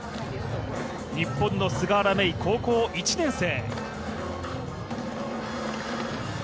日本の菅原芽衣、高校１年生。